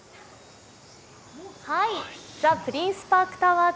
ザ・プリンスパークタワー